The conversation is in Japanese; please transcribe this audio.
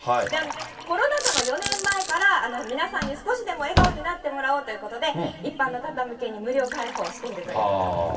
コロナ禍の４年前から、皆さんに少しでも笑顔になってもらおうということで、一般の方向けに無料開放しているということです。